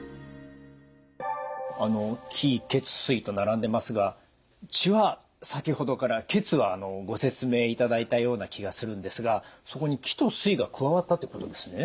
あの気・血・水と並んでますが血は先ほどから血はご説明いただいたような気がするんですがそこに気と水が加わったってことですね？